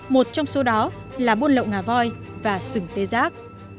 một trong số đó là buôn lậu ngà voi và sừng tê giác